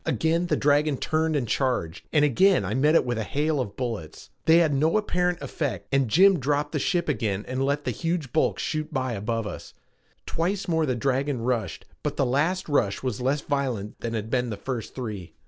Again the dragon turned and charged, and again I met it with a hail of bullets. They had no apparent effect and Jim dropped the ship again and let the huge bulk shoot by above us. Twice more the dragon rushed but the last rush was less violent than had been the first three.